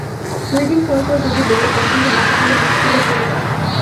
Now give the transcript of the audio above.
দুই দিন পর যদি বল পছন্দ না, তাহলে মুশকিলে পড়ব।